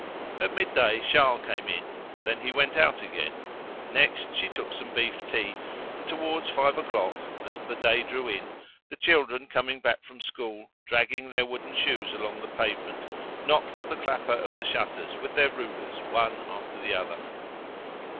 At mid day Charles came in; then he went out again; next she took some beef tea, and towards five o'clock, as the day drew in, the children coming back from school, dragging their wooden shoes along the pavement, knocked the clapper of the shutters with their rulers one after the other.